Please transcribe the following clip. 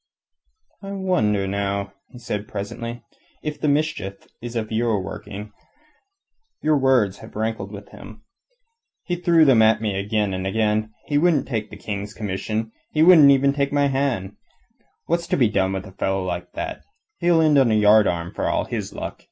"I wonder, now," he said presently, "if the mischief is of your working. Your words have rankled with him. He threw them at me again and again. He wouldn't take the King's commission; he wouldn't take my hand even. What's to be done with a fellow like that? He'll end on a yardarm for all his luck.